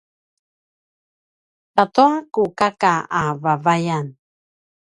katua ku kaka a vavayan